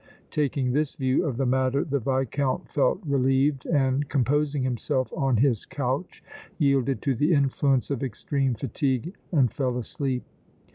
Taking this view of the matter the Viscount felt relieved and, composing himself on his couch, yielded to the influence of extreme fatigue and fell asleep.